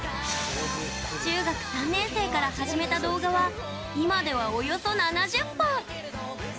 中学３年生から始めた動画は今では、およそ７０本。